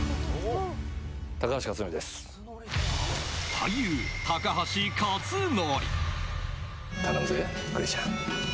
俳優・高橋克典。